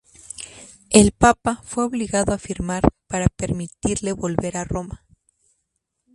El Papa fue obligado a firmar para permitirle volver a Roma.